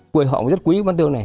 quầy họng rất quý của bán tương này